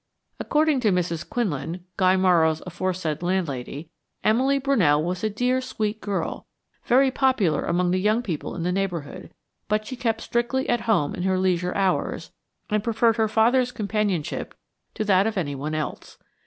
According to Mrs. Quinlan, Guy Morrow's aforesaid land lady, Emily Brunell was a dear, sweet girl, very popular among the young people in the neighborhood, but she kept strictly at home in her leisure hours and preferred her father's companionship to that of anyone else.